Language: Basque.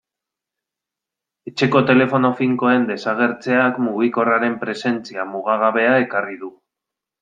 Etxeko telefono finkoen desagertzeak mugikorraren presentzia mugagabea ekarri du.